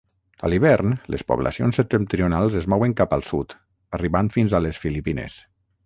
A l'hivern les poblacions septentrionals es mouen cap al sud, arribant fins a les Filipines.